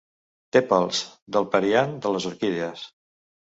Tèpals del periant de les orquídies.